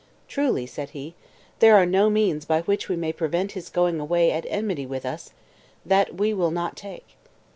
"Truly," said he, "there are no means by which we may prevent his going away at enmity with us that we will not take."